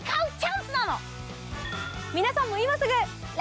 皆さんも今すぐ。